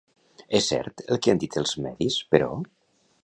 És cert el que han dit els medis, però?